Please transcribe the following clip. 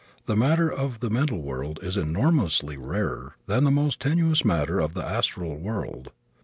The matter of the mental world is enormously rarer than the most tenuous matter of the astral world.